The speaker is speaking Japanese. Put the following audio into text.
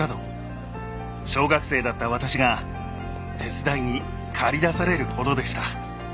小学生だった私が手伝いに駆り出されるほどでした。